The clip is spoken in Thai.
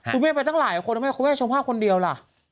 คุณแม่ไปตั้งหลายคนนะแม่คุณแม่ชมภาพคนเดียวล่ะ